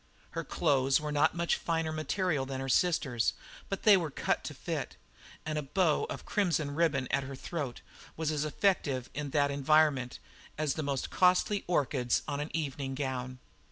Her clothes were not of much finer material than her sister's, but they were cut to fit, and a bow of crimson ribbon at her throat was as effective in that environment as the most costly orchids on an evening gown.